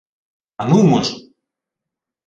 — А нумо ж!